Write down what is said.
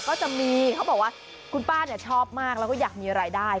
ก็จะมีเขาบอกว่าคุณป้าชอบมากแล้วก็อยากมีรายได้